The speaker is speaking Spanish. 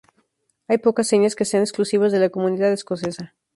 Hay pocas señas que sean exclusivas de la comunidad escocesa.